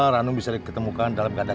ranum dimana kamu nak